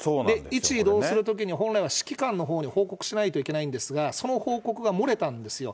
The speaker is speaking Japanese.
位置、移動するときに、本来は指揮官のほうに報告しないといけないんですが、その報告が漏れたんですよ。